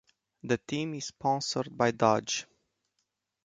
The team is sponsored by Dodge.